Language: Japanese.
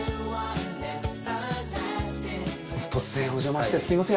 突然おじゃましてすみません。